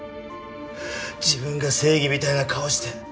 自分が正義みたいな顔して。